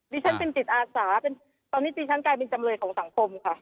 ฉันเป็นจิตอาสาตอนนี้ดิฉันกลายเป็นจำเลยของสังคมค่ะ